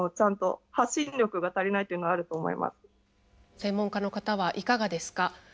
専門家の方はいかがですか？